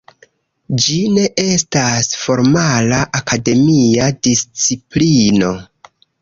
Ĝi ne estas formala akademia disciplino.